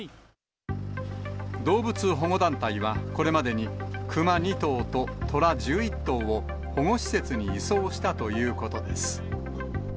動物保護団体は、これまでに熊２頭と虎１１頭を、保護施設に移送したということです。